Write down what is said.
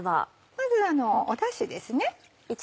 まずだしですね。